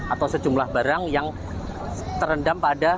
atau sejumlah barang yang terendam pada